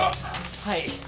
はい。